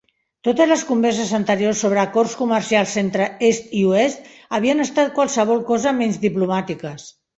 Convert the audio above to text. Totes les converses anteriors sobre acords comercials entre est i oest havien estat qualsevol cosa menys diplomàtiques.